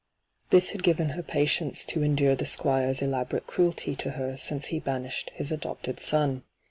This had given her patience to endure the Squire's elaborate cruelty to her since be banished his adopted eon.